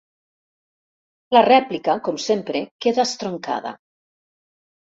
La rèplica, com sempre, queda estroncada.